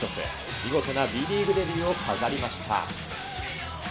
見事なＢリーグデビューを飾りました。